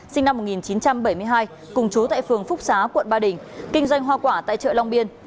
sinh năm một nghìn chín trăm bảy mươi hai cùng chú tại phường phúc xá quận ba đình kinh doanh hoa quả tại chợ long biên